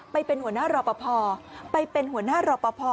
ไปเป็นหัวหน้ารอปภไปเป็นหัวหน้ารอปภ